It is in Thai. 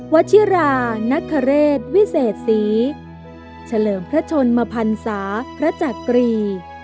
ชิรานักคเรศวิเศษศรีเฉลิมพระชนมพันศาพระจักรี